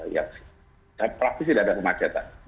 ya praktis tidak ada kemacetan